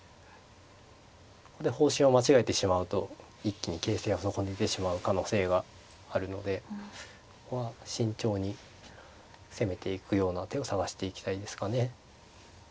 ここで方針を間違えてしまうと一気に形勢を損ねてしまう可能性があるのでここは慎重に攻めていくような手を探していきたいですかね。